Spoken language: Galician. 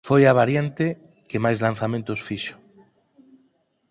Foi a variante que máis lanzamentos fixo.